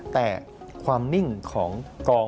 แต่ความนิ่งของกอง